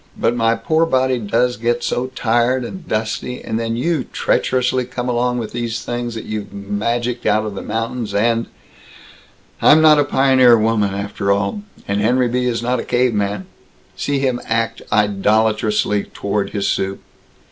But my poor body does get so tired and dusty, and then you treacherously come along with these things that you've magicked out of the mountains and I'm not a pioneer woman, after all. And Henry B. is not a caveman. See him act idolatrously toward his soup."